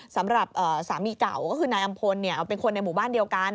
สำหรับสามีเก่าก็คือนายอำพลเป็นคนในหมู่บ้านเดียวกัน